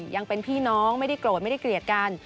ยังเป็นพี่น้องไม่ได้โกรธไม่ได้เกลียดกัน